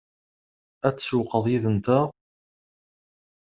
Ad tsewwqeḍ yid-nteɣ?